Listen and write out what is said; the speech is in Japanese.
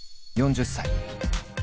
４０歳。